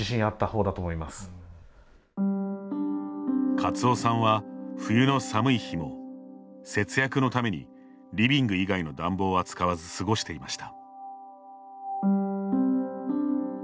勝夫さんは冬の寒い日も節約のためにリビング以外の暖房は使わず過ごしていました。